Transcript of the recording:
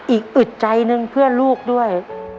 อีกอึดใจหนึ่งเพื่อลูกด้วย